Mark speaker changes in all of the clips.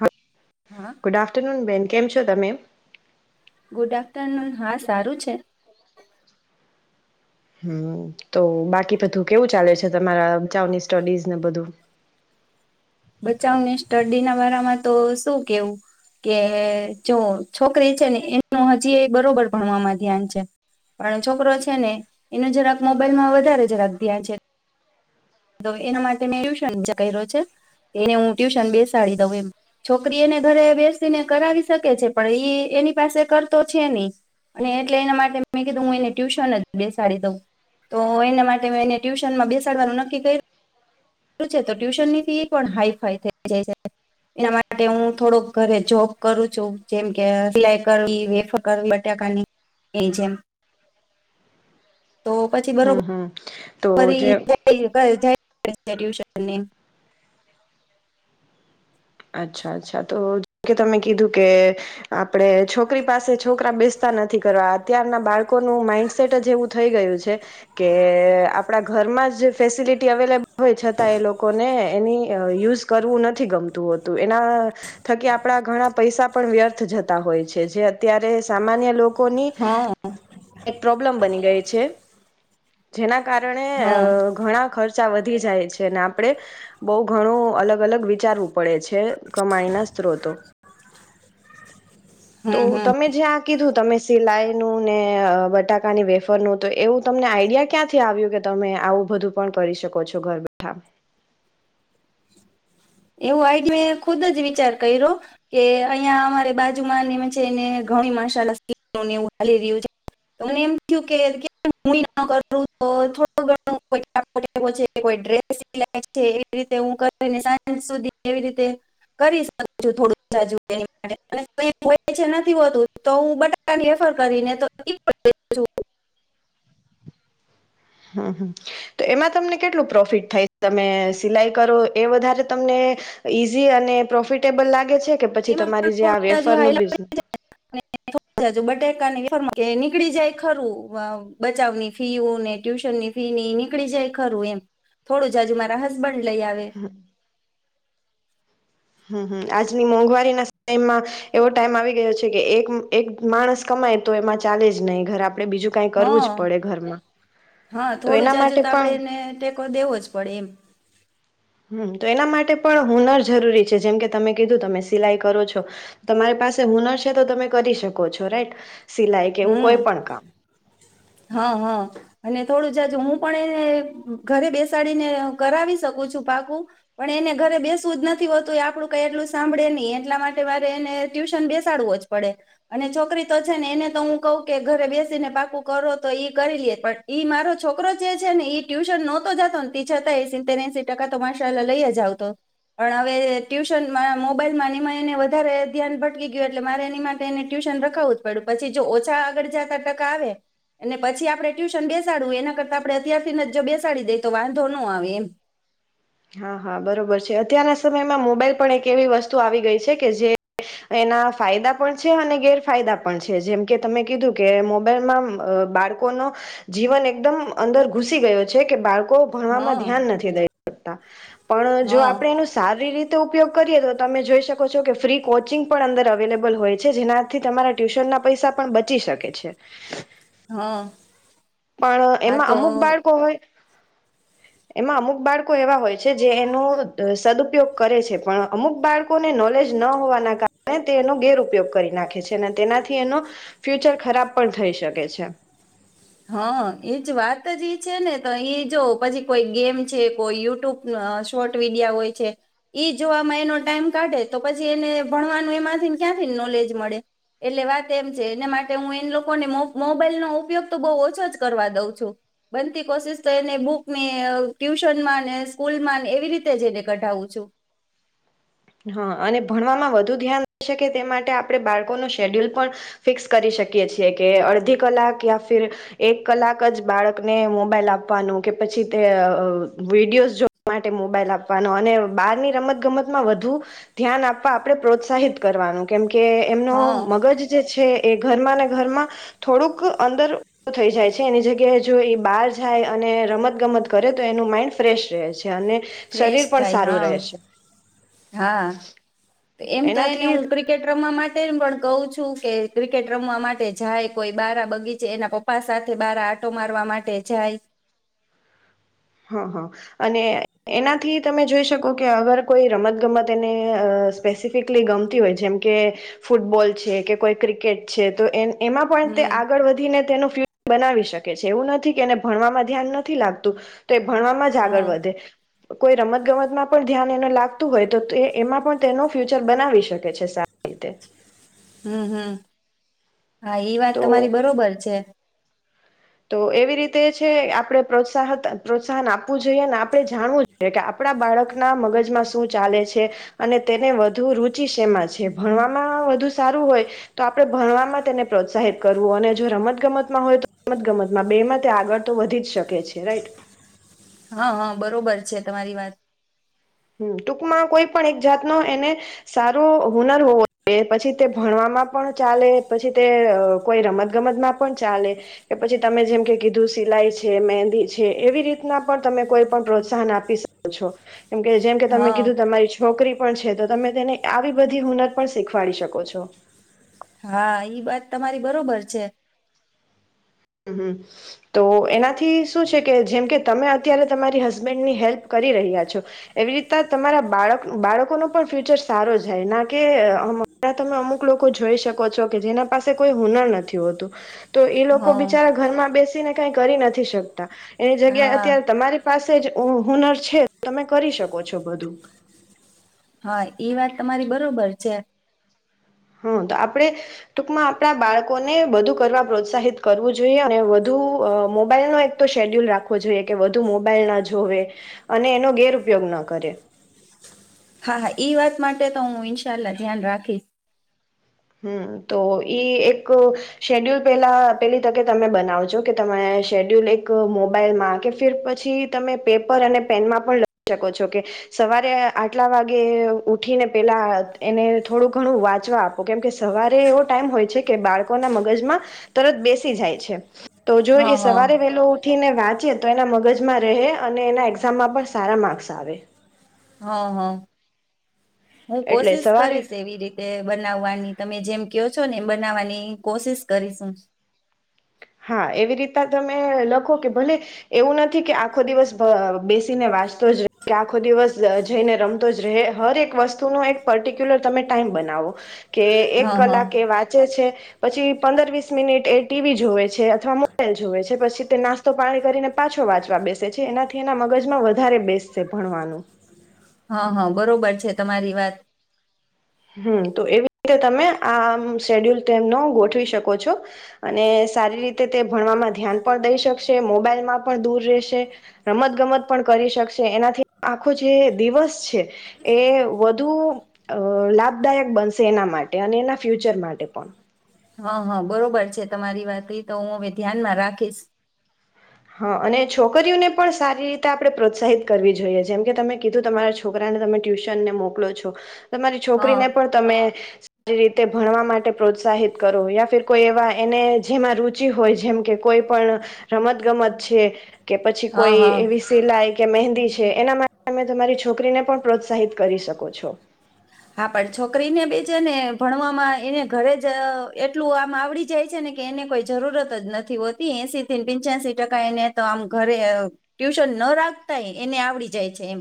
Speaker 1: હા
Speaker 2: હા
Speaker 1: good afternoon બેન. કેમ છો તમે?
Speaker 2: ગુડ આફ્ટરનૂન હા સારું છે.
Speaker 1: હમ તો બાકી બધું કેવું ચાલે છે તમારા [inaudible] સ્ટડીઝ ને બધું?
Speaker 2: બચાવની સ્ટડીના વારાામાં તો શું કેવું કે જો છોકરી છે ને એનું હજી એ બરોબર ભણવામાં ધ્યાન છે પણ છોકરો છે ને એનું જરાક મોબાઈલમાં વધારે જરાક ધ્યાન છે. એના માટે મેં ટ્યુશન કર્યો છે એને હું ટ્યુશન બેસાડી દઉં એમ છોકરી એને ઘરે બેસીને કરાવી શકે છે પણ એ એની પાસે કરતો છે નહી અને એટલે એના માટે મેં કીધું હું એને ટ્યુશન જ બેસાડી દઉં તો એના માટે મે એને ટ્યુશનમાં બેસાડવાનું ન ક્કી છે તો ટ્યુશન ની ફી પણ હાઈફાઈ થઈ જાય છે એના માટે હું થોડોક ઘરે જોબ કરું છું જેમ કે સિલાઈ કરવી વેફર કરવી બટાકાની એ જેમ તો પછી બરોબ
Speaker 1: હમ હમ તો
Speaker 2: બરી
Speaker 1: જે
Speaker 2: [inaudible] [inaudible] ટ્યુશનની એમ
Speaker 1: અચ્છા અચ્છા તો કે તમે કીધું કે આપડે છોકરી પાસે છોકરા બેસતા નથી. અત્યારના બાળકોનું માઈન્ડસેટ જ એવું થઈ ગયું છે કે આપણા ઘરમાં જ ફેસિલિટી અવેલેબલ હોય છતાં એ લોકોને એની યુઝ કરવું નથી ગમ તો તો એના થકી આપણા ઘણા પૈસા પણ વ્યર્થ જતા હોય છે જે અત્યારે સામાન્ય લો લોકોની
Speaker 2: હા
Speaker 1: એક પ્રોબ્લમ બની ગઈ છે. જેના કારણે
Speaker 2: હા
Speaker 1: ઘણા ખર્ચા વ વધી જાય છે અને આપડે બહુ ઘણું અલગ અલગ વિચારવું. પડે છે કમાણી ના સ્ત્રોતો. તો
Speaker 2: હમ હમ
Speaker 1: તમે જ્યાં કીધું તમે સિલાઈનું ને બટાકાની વેફરનું તો એવું તમને આઈડિયા ક્યાંથી આવ્યું કે તમે આવું બધું પણ કરી શકો છો ઘર બેઠા?
Speaker 2: એવું આઈ મેં ખુદ જ વિચાર કર્યો કે અહીયાં અમારે બાજુમાં [inaudible] ને ઘણી મસા [inaudible] રહ્યું છે એમ થયું કે [inaudible] ડ્રેસ [inaudible] સુધી કેવી રીતે કરી શકું થોડું તાજું [inaudible] નથી હોતું તો હું બટાકાની વેફર કરીને તો આ પણ
Speaker 1: હમ હમ તો એમાં તમને કેટલું પ્રોફિટ થાય તમે સિલાઈ કરો એ વધારે તમને ઈઝી અને પ્રોફિટેબલ લાગે છે કે પછી
Speaker 2: એમાં પણ
Speaker 1: તમારી જે આ
Speaker 2: થોડું [inaudible] થોડુ
Speaker 1: વેફરનું બિઝનેસ
Speaker 2: જાજુ બટે વેફર કે નીકળી જાય ખરું બચાવની ફીવુ ને ટ્યુશન ની ફી ની નીકળી જાય ખરું એમ થોડું જાજુ મારા હસબન્ડ લઈ આવે.
Speaker 1: હમ હમ આજની મોંઘવારી ના ટઇમાં એવો ટાઈમ આવી ગયો છે કે એક એક માણસ કમાય તો એમાં ચાલે જ નહીં ઘર આ
Speaker 2: હ હા
Speaker 1: તો
Speaker 2: થોડું
Speaker 1: એના
Speaker 2: જાજુ
Speaker 1: માટે
Speaker 2: તો આપડે
Speaker 1: પણ
Speaker 2: એને ટેકો દેવો જ પડે એમ
Speaker 1: હમ તો એના માટે પણ હુનર જરૂરી છે. જેમ કે તમે કીધું તમે સિલાઈ કરો છો તમારી પાસે હુનર છે તો તમે કરી શકો છો રાઈટ સિલાઈ કે એવું કોઈ
Speaker 2: હમ
Speaker 1: પણ કામ
Speaker 2: હા હા અને થોડું જાજુ હું પણ એને ઘરે બેસાડીને કરાવી શકું છું પાકું પણ એને ઘરે બેસવું જ નથી હોતું એ આપડું કઈ એટલું સાંભળે નહી એટલા માટે મારે એને ટ્યુશન બેસાડવું જ પડે અને છોકરી તો છે ને એને તો હું કહું કે ઘરે બેસીને પાકું કરો તો કરી લેએ પણ ઈ મારો છોકરો જે છે ને ટ્યુશન નહોતો જતો ને તી છતા સીત્તેર એહસ્સી ટકા તો માશાલા લઈ જ આવતો પણ હવે ટ્યુશન મોબાઈલમાં એમાં એને વધારે ધ્યાન ભટકી ગયું એટલે મારે એની માટે એને ટ્યુશન રખાવવું જ પડ્યું પછી જો ઓછા આગળ જતા ટકા આવે અને પછી આપડણે ટ્યુશન બેસાડવું એના કરતા આપડણે અત્યારથીને જ જો બેસાડી દઈ તો વાંધો નો આવે એમ
Speaker 1: હા હા બરોબર છે અત્યારના સમયમાં મોબાઈલ પણ એક એવી વસ્તુ આવી ગઈ છે કે જે એના ફાયદા પણ છે અને ગેરફાયદા પણ છે જેમ કે તમે કીધું કે મોબાઈલમાં બાળકોનો જીવન એકદમ અંદર ઘુસી ગયો છે કે બાળ કો ભણવામાં
Speaker 2: હા
Speaker 1: ધ્યાન નથી દઈ પણ જો
Speaker 2: હા
Speaker 1: આપે એ સારી રીતે ઉપયોગ કરીએ તો તમે જોઈ શકો છો કે ફ્રી કોચિંગ પણ અંદર અવેલેબલ હોય છે જેનાથી તમારા ટ્યુશન ના પૈસા પણ બચી શકે છે.
Speaker 2: હા
Speaker 1: પણ
Speaker 2: હા
Speaker 1: એમાં
Speaker 2: તો
Speaker 1: અમુક બાળકો હોય એમાં અમુક બાર કો એવા હોય છે જે એનો સદઉપયોગ કરે છે પણ અમુક બાળકોને નોલેજ ન હોવાના કારણે તે એનો ગેર ઉપયોગ કરી નાખે છે અને તેનાથી એનો ફ્યુચર ખરાબ પણ થઈ શકે છે.
Speaker 2: હા એજ વાત જ એ છે ને તો એઈ જો પછી કોઈ ગેમ છે કોઈ યુટ્યુબ શોર્ટ વિડિયા હોય છે ઈ જોવામાં એનો ટાઈમ કાઢે તો પછી એને ભણવાનું એમાંથી ક્યાંથી નોલેજ મળે એટલે વાત એમ છે એના માટે હું એ લોકોને મોબાઈલનો ઉપયોગ તો બ ઓછો જ કરવા દઉં છું બનતી કોશિશ તો એને બુકની ટ્યુશનમાં સ્કૂલ માં એવી રીતે જને કઢાવું
Speaker 1: હા અને ભણવામાં વધુ ધ્યાન શકે તે માટે આપણે બાળકોનો શેડ્યુલ પણ ફિક્સ કરી શકીએ છીએ કે અડધી કલાક યા ફિર એક કલાક જ બાળકને મોબાઈલ આપવાનું કે પછી તે વિડીયોઝ જોવા માટે મોબાઈલ આપવાનો અને બારની રમત ગમતમાં વધુ ધ્યાન આપવા આપણે પ્રોત્સાહિત કરવાનું કેમ કે કે એમનો
Speaker 2: હા
Speaker 1: મગજ જે છે એ ઘરમાં ને ઘરમાં થોડુંક અંદર થઈ જાય છે એની જગ્યાએ જો એ બહાર જાય અને રમતગમત કરે તો એનું માઈન્ડ ફ્રેશ રહે છે. અને
Speaker 2: ફ્રેશ
Speaker 1: શરીર પણ
Speaker 2: થાય
Speaker 1: સારું
Speaker 2: હા
Speaker 1: રહે છે.
Speaker 2: હા એમ તો એને
Speaker 1: એનાથી
Speaker 2: હું ક્રિકેટ રમવા માટે પણ કું છું કે ક્રિકેટ રમવા માટે જાય કોઈ બારા બગીચે એના પપ્પા સાથે બારા આટો મારવા માટે જાય
Speaker 1: હા હા અને એનાથી તમે જોઈ શકો કે અગર કોઈ રમત ગમત એને સ્પેસિફિકલી ગમતી હોય જેમ કે ફૂટબોલ છે કે કોઈ ક્રિકેટ છે તો એ એમાં પણ તે
Speaker 2: હમ
Speaker 1: આગળ વધીને તેનું બનાવી શકે છે એવું નથી કે એને ભણવામાં ધ્યાન નથી લાગતું. તે ભણવામાં જ
Speaker 2: હા
Speaker 1: આગળ વધે કોઈ રમત ગમતમાં પણ ધ્યાન એને લાગતું હોય તો તે એમાં પણ તેનુ ફ્યુચર બનાવી શકે છે સા
Speaker 2: હમ્મ હમ્મ. હા ઈ વાત
Speaker 1: તો
Speaker 2: તમારી બરોબર છે.
Speaker 1: તો એવી રીતે છે આપણે પ્રોત્સા પ્રોત્સાહન આપવું જોઈએ. અને આપણે જાણવું જોઈએ કે આપણા બાળકના મગજમાં શું ચાલે છે. અને તેને વધુ રુચિ શેમાં છે. ભણવામાં વધુ સારું હોય તો આપણે ભણવામાં તેને પ્રોત્સાહિત કરવું અને જો રમત ગમતમાં હોય તો રમતગમતમાં બે મતે આગળ તો વધી જ શકે છે. રાઈટ!
Speaker 2: હા હા બરોબર છે તમારી વાત.
Speaker 1: ટૂંકમાં કોઈ પણ એક જાતનો એને સારો હુનર હોવો જોઈએ પછી તે ભણવામાં પણ ચાલે પછી, તે કોઈ રમત ગમતમાં પણ ચાલે કે, પછી તમે જેમ કે કીધું સિલાઈ છે મહેંદી છે, એવી રીતના પણ તમે કોઈ પણ પ્રોત્સાહન આપી શકો છો. કેમ કે જેમ કે તમે
Speaker 2: હા
Speaker 1: કીધું તમારી છોકરી પણ છે, તો તમે તેને આવી બધી હુનર પણ શીખવાડી શકો છો.
Speaker 2: હા ઈ વાત તમારી બરોબર છે.
Speaker 1: હ હમ્મ તો એનાથી શું છે કે, જેમ કે તમે અત્યારે તમારી હસબેન્ડની હેલ્પ કરી રહ્યા છો, ‌એવી રીતના તમારા બાળક બાળકોનો પણ ફ્યુચર સારો જાય ના કેં તમે અમુક લોકો જોઈ શકો છો કે જેના પાસે કોઈ હુનર નથી હોતું. તો એ લોકો
Speaker 2: હા
Speaker 1: બી ઘરમાં બેસી ને કઈ કરી નથી શકતા. એ જગ્યા
Speaker 2: હા
Speaker 1: અત્યારે તમારી પાસે જ હુનર છે, ‌ તમે કરી શકો છો. બધું
Speaker 2: હા ઈ વાત તમારી બરોબર છે.
Speaker 1: હમ્મ તો આપડે ટૂકમાં આપણા બાળકોને બધું કરવા પ્રોત્સાહિત કરવું જોઈએ અને વધુ મોબાઈલ નો એક તો શેડ્યુલ રાખવો જોઈએ કે વધુ મોબાઈલ ના જોવે, અને એનો ગેરપયોગ ના કરે.
Speaker 2: હા હા ઈ વાત માટે તો હું ઇન્શાલા ધ્યાન રાખીશ.
Speaker 1: હમ્મ તો ઈ એક શેડ્યુલ પેલા પેલી તકે તમે બનાવજો, કે તમે શેડ્યુલ એક મોબાઈલમાં કે ફર પછી, તમે પેપર અને પેનમાં પણ લઈ શકો છો કે, ‌ સવારે આટલા વાગે ઉઠીને પેલા એને થોડું ઘણું વાંચવા આપ ‌ કેમ કે સવારે એવો ટાઈમ હોય છે કે બાળકોના મગજમાં તરત બેસી જાય છે. તો જો
Speaker 2: હા
Speaker 1: એ
Speaker 2: હા
Speaker 1: સવારે વેલો ઉઠી ને વાંચી તો એના મગજમાં રહે અને એના એક્ઝામમાં પણ સારા માર્ક્સ આવે.
Speaker 2: હા હા. હું
Speaker 1: એટલે
Speaker 2: કોશિશ
Speaker 1: સવારે
Speaker 2: કરીશ એવી રીતે બનાવવાની તમે જેમ કહો છો ને એ બનાવાની કોશિશ કરીશું.
Speaker 1: હા એવી રીતના તમે લખો કે ભલે એવું નથી કે, આખો દિવસ બેસીને વાંચતો જ રહે ‌ કે આખો દિવસ જઈને રમતો જ રહે, હર એક વસ્તુનો એક પર્ટિક્યુલર તમે ટાઈમ બનાવો. કે એક
Speaker 2: હા હા
Speaker 1: કલાકે એ વાંચે છે. પછી પંદર વીસ મિનિટ એ ટીવી જોવે છે. છે અથવા મોબાઈલ જોવે છે. પછી તે નાસ્તો પાણી કરીને પાછો વાંચવા બેસે છે એનાથી એના મગજમાં વધારે બેસશે ભણવાનું.
Speaker 2: હા હા બરોબર છે, તમારી વાત.
Speaker 1: હમ્મ તો એવી રીતે તમે આમ શેડ્યુલ તેમનો ગોઠવી શકો છો. અને સારી રીતે તે ભણવામાં ધ્યાન પણ દઈ શકશે, મોબાઈલમાં પણ દૂર રહેશે, રમત ગમત પણ કરી શકશે, એનાથી આખો જે દિવસ છે એ વધુ અ લાભદાયક બનશે એના માટે અને એના ફ્યુચર માટે પણ.
Speaker 2: હા હા બરોબર છે, તમારી વાત તો હું હવે ધ્યાનમાં રાખીશ.
Speaker 1: હા અને છોકરીઓને પણ સારી રીતે આપણે પ્રોત્સાહિત કરવી જોઈએ જેમ કે તમે કીધું તમારા છોકરાને તમે ટ્યુશનને મોકલો છો તમારી
Speaker 2: હા
Speaker 1: છોકરીને પણ તમે [unintelligible] રીતે ભણવા માટે પ્રોત્સાહિત કરો યા ફ કોઈ એવા એને જેમાં રુચિ હોય જેમ કે કોઈ પણ રમત ગમ અછે કે પછી
Speaker 2: હા
Speaker 1: કોઈ
Speaker 2: હા
Speaker 1: એવી સિલાઈ કે મહેંદી છે એના માટે તમે તમારી છોકરીને પણ પ્રોત્સાહિત કરી શકો છો
Speaker 2: હા પણ છોકરીને બેી છે ને ભણવામાં એને ઘરે જ એટલું આમ આવડી જાય છે ને કે એને કોઈ જરૂરત જ નથી હોતી એસી થી પિંચ્યાશી ટકા એને તો આમ ઘરે ટ્યુશન ના રાખતાય એને આવડી જાય છે એમ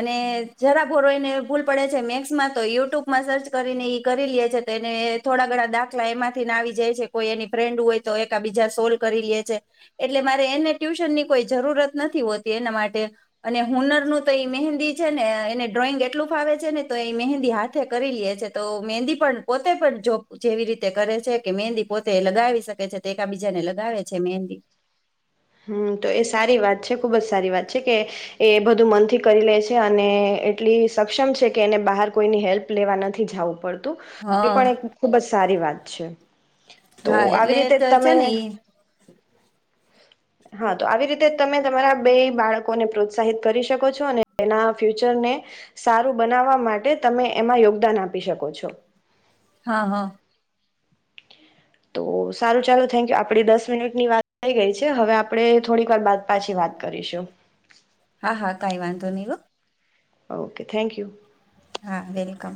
Speaker 2: અને જરા બોરો એને ભૂલ પડે છે મેક્સ તો યુટ્યુબમાં સર્ચ કરીને ઈ કરી લે છે તો એને થોડા ઘણા દાખલા એમાંથીને આવી જાય છે કોઈ એની ફ્રેન્ડ હોય તો એક બીજા સોલ્ કરી લે છે એટલે મારે એને ટ્યુશન ની કોઈ જરૂરત નથી હોતી એના માટે અને હુનરનું તો એ મહેંદી છે ને એને ડ્રોઈંગ એટલું ફાવે છે ને તો એ મહેંદી હાથે કરી લેઈ છે તો મહેંદી પણ પોતે પણ જો જેવી રીતે કરે છે કે મહેંદી પોતે લગાવી શકે છે તો એકાબીજાને લગાવે છે મહેંદી
Speaker 1: હમ્મ તો એ સારી વાત છે ખુબ જ સારી વાત છે કે એ બધું મનથી કરી લે છે અને એટલી સક્ષમ છે કે એને બહાર કોઈની હેલ્પ લેવા નથી જવું પડતું એ
Speaker 2: હા
Speaker 1: પણ એક ખુબ જ સારી વાત પછી તો
Speaker 2: હા
Speaker 1: આવી
Speaker 2: એટલે
Speaker 1: રીતે
Speaker 2: તો છે
Speaker 1: તમે
Speaker 2: ને ઈ
Speaker 1: હા તો આવી રીતે તમે તમારા બે બાળકોને પ્રોત્સાહિત કરી શકો છો અને એના ફ્યુચરને સારું બનાવવા માટે તમે એમાં યોગદાન આપી શકો છો
Speaker 2: હા હા
Speaker 1: તો સારું ચાલો થેન્ક યુ આપડી દસ મિનિટ ની વાત થઈ ગઈ છે હવે આપડે થોડીક વાર બાદ પછી વાત કરીશું
Speaker 2: હા હા કઈ વાંધો નહી હો
Speaker 1: ઓકે થેન્ક યુ
Speaker 2: હા વેલકમ